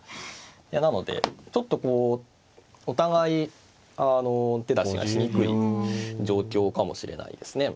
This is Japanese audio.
なのでちょっとこうお互い手出しがしにくい状況かもしれないですね。